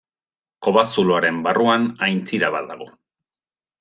Kobazuloaren barruan aintzira bat dago.